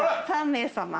『３名様』の。